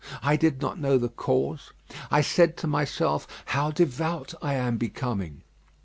I did not know the cause. I said to myself, how devout I am becoming.